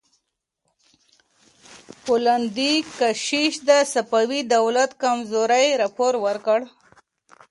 پولندي کشیش د صفوي دولت کمزورۍ راپور ورکړ.